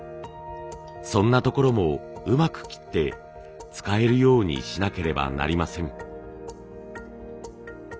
そんなところもうまく切って使えるようにしなければなりません。